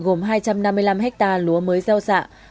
gồm hai trăm năm mươi năm hectare lúa mới gieo xạ